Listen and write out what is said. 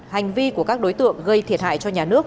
hành vi của các đối tượng gây thiệt hại cho nhà nước